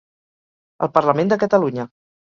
El Parlament de Catalunya